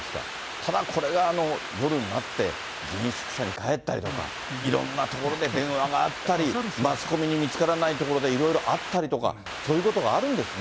ただ、これが夜になって、議員宿舎に帰ったりとか、いろんなところで電話があったり、マスコミに見つからないところでいろいろ会ったりとか、そういうことがあるんですね。